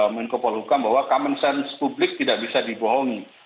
menko polhukam bahwa common sense publik tidak bisa dibohongi